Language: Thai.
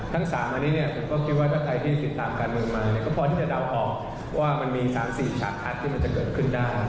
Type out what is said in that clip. ทั้ง๓อันนี้เนี่ยผมก็คิดว่าถ้าใครที่ติดตามการเมืองมาเนี่ยก็พอที่จะเดาออกว่ามันมี๓๔ฉากคัดที่มันจะเกิดขึ้นได้